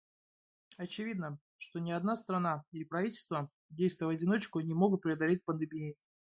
Очевидно, что ни одна страна или правительство, действуя в одиночку, не могут преодолеть пандемии.